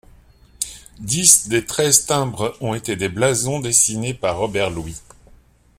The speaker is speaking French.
Dix des treize timbres ont été des blasons dessinés par Robert Louis.